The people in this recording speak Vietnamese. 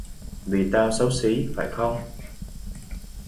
vì tao xấu xí phải không